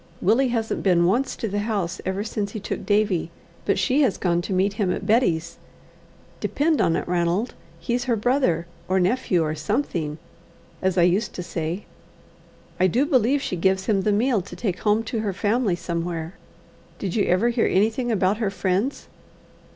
Willie hasn't been once to the house ever since he took Davie, but she has gone to meet him at Betty's. Depend on it, Ranald, he's her brother, or nephew, or something, as I used to say. I do believe she gives him the meal to take home to her family somewhere. Did you ever hear anything about her friends?"